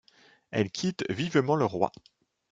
Elle quitte vivement le roi.